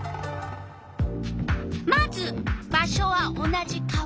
まず場所は同じ川原。